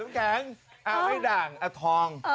เออลุ้มแข็งเอาให้ดั่งอ่ะทอง